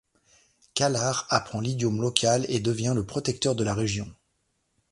Kalar apprend l'idiome local et devient le protecteur de la région.